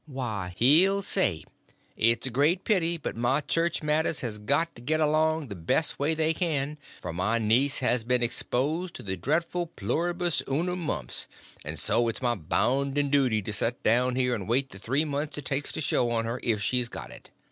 Why, he'll say, 'It's a great pity, but my church matters has got to get along the best way they can; for my niece has been exposed to the dreadful pluribus unum mumps, and so it's my bounden duty to set down here and wait the three months it takes to show on her if she's got it.